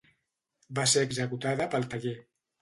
Va ser executada pel taller.